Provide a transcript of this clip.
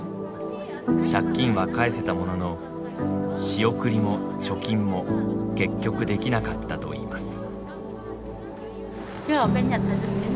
借金は返せたものの仕送りも貯金も結局できなかったといいます。